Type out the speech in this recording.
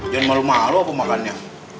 jangan malu malu aku makannya